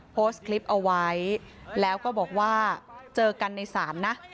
โพสต์คลิปเอาไว้แล้วก็บอกว่าเจอกันในศาลนะ